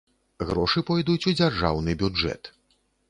Грошы пойдуць у дзяржаўны бюджэт.